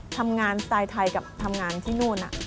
ทำงานสไตล์ไทยกับทำงานที่นู่นน่ะ